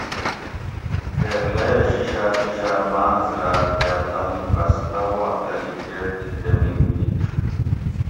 خیرلیہ شیشار شیشار بانز رات کاۤ تانی بستہ وا تلی کیٹ تھی ڈمین کیر